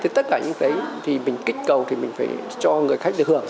thì tất cả những cái gì mình kích cầu thì mình phải cho người khách được hưởng